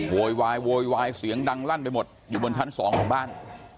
โวยวายโวยวายเสียงดังลั่นไปหมดอยู่บนชั้นสองของบ้าน